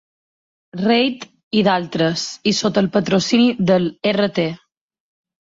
Reid i d'altres, i sota el patrocini del Rt.